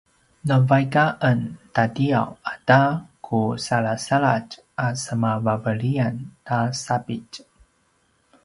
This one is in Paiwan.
na vaik a ken tatiyaw ata ku salasaladj a sema vaveliyan ta sapitj